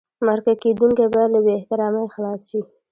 مرکه کېدونکی باید له بې احترامۍ خلاص شي.